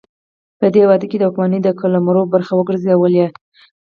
په دې واده کې د واکمنۍ قلمرو برخه وګرځولې.